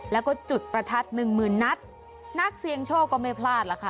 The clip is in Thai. แล้วก็จุดประทัด๑๐๐๐๐นัทนักเสียงโชคก็ไม่พลาดล่ะค่ะ